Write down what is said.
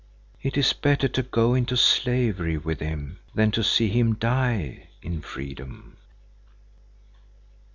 "It is better to go into slavery with him than to see him die in freedom."